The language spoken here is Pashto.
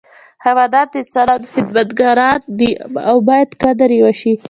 حیوانات د انسانانو خدمتګاران دي او باید قدر یې وشي.